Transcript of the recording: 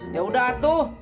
ya udah tuh